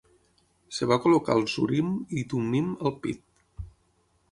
Es va col·locar els urim i tummim al pit.